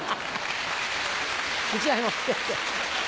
１枚持ってって。